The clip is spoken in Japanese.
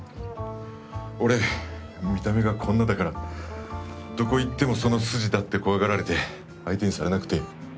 俺見た目がこんなだからどこ行ってもその筋だって怖がられて相手にされなくて。